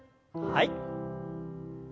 はい。